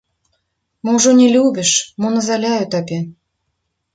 Мо ўжо не любіш, мо назаляю табе?